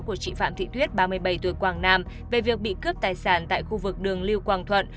của chị phạm thị tuyết ba mươi bảy tuổi quảng nam về việc bị cướp tài sản tại khu vực đường lưu quang thuận